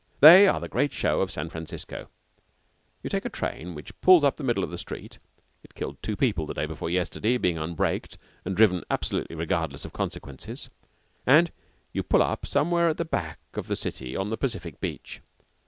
They are the great show of San Francisco. You take a train which pulls up the middle of the street (it killed two people the day before yesterday, being unbraked and driven absolutely regardless of consequences), and you pull up somewhere at the back of the city on the Pacific beach.